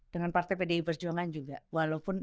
dengan partai pdi berjuangan juga